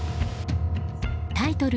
タイトル